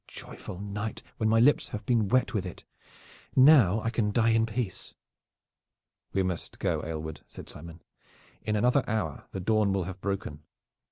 joyful night when my lips have been wet with it! Now I can die in peace!" "We must go, Aylward," said Simon. "In another hour the dawn will have broken.